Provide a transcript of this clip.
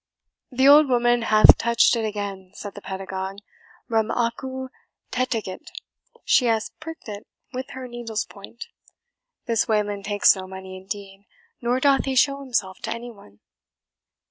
"The old woman hath touched it again," said the pedagogue; "REM ACU TETIGIT she hath pricked it with her needle's point. This Wayland takes no money, indeed; nor doth he show himself to any one."